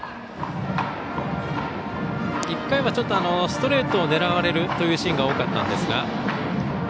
１回はストレートを狙われるシーンが多かったんですが。